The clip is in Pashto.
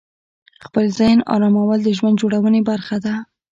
خپل ذهن آرامول د ژوند جوړونې برخه ده.